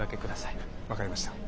分かりました。